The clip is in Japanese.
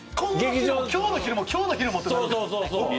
今日の昼も今日の昼もってなる。